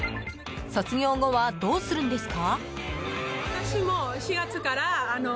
卒業後はどうするんですか？